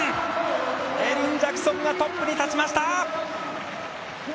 エリン・ジャクソンがトップに立ちました。